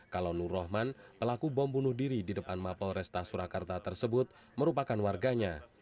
kalau nur rohman pelaku bom bunuh diri di depan mapol resta surakarta tersebut merupakan warganya